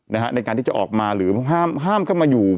ในการที่จะออกมาหรือห้ามเข้ามาอยู่